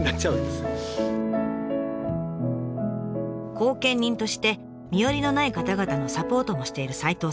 後見人として身寄りのない方々のサポートもしている齋藤さん。